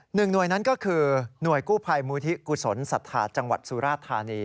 หนึ่งหน่วยนั้นก็คือหน่วยกู้ภัยมูลที่กุศลศรัทธาจังหวัดสุราธานี